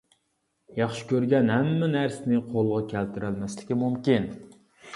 ياخشى كۆرگەن ھەممە نەرسىنى قولغا كەلتۈرەلمەسلىكى مۇمكىن.